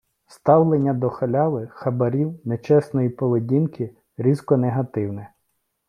Ставлення до халяви, хабарів, нечесної поведінки - різко негативне.